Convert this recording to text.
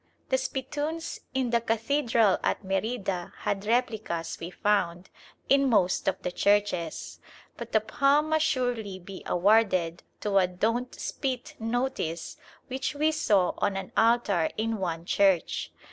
The spittoons in the cathedral at Merida had replicas, we found, in most of the churches. But the palm must surely be awarded to a "Don't Spit" notice which we saw on an altar in one church.